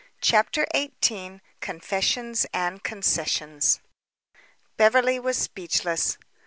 CHAPTER XVIII CONFESSIONS AND CONCESSIONS Beverly was speechless.